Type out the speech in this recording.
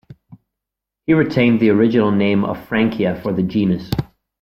He retained the original name of "Frankia" for the genus.